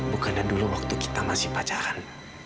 bukannya dulu waktu kita masih pacaran